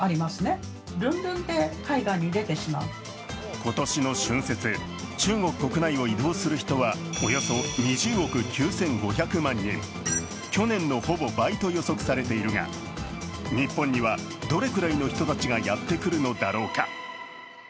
今年の春節、中国国内を移動する人はおよそ２０億９５００万人、去年のほぼ倍と予測されているが日本にはどれくらいの人たちがやってくるのだろうか。